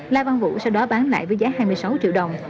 la văn vũ sau đó bán lại với giá hai mươi sáu triệu đồng